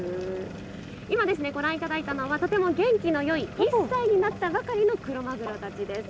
今、ご覧いただいたのはとても元気のよい１歳になったばかりのクロマグロたちです。